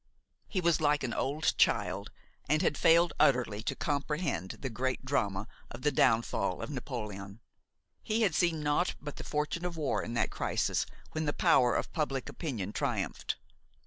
He was like an old child and had failed utterly to comprehend the great drama of the downfall of Napoléon. He had seen naught but the fortune of war in that crisis when the power of public opinion triumphed.